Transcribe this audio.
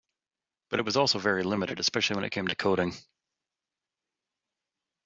But it was also very limited, especially when it came to coding.